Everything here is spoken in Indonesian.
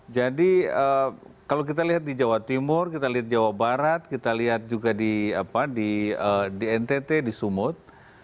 jadi kalau kita lihat di jawa timur kita lihat jawa barat kita lihat juga di ntt di sumut